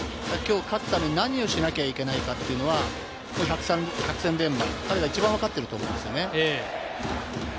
きょう何をしなきゃいけないかというのは百戦錬磨、彼が一番わかってると思うんですね。